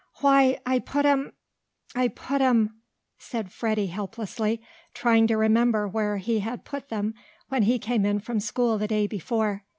"Why, I put 'em I put 'em " said Freddie helplessly, trying to remember where he had put them, when he came in from school the day before.